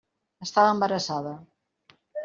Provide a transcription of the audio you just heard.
Estava embarassada.